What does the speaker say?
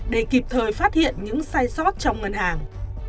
để kịp thời phát hiện những sai sót trong ngân hàng